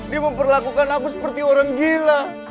dia memperlakukan aku seperti orang gila